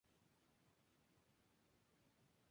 En Svalbard se limita a la isla principal, Spitsbergen.